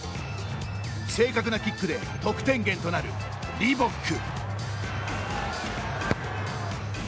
正確なキックで得点源となるリボック。